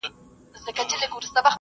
وقایه تر درملنې غوره ده